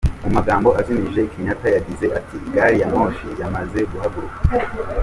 Mu magambo azimije Kenyatta yagize ati”Gari ya moshi yamaze guhaguruka.